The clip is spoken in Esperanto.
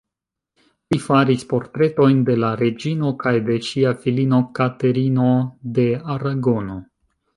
Li faris portretojn de la reĝino kaj de ŝia filino Katerino de Aragono.